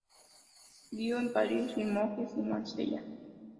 Residió en París, Limoges y Marsella.